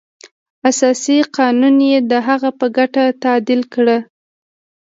اساسي قانون یې د هغه په ګټه تعدیل کړ.